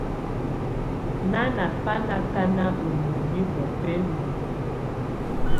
Nana bà na akaka ù niɔ̀ni ù bɛla luǝ̀.